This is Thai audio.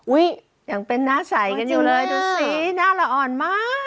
ยังเป็นหน้าใสกันอยู่เลยดูสิหน้าละอ่อนมาก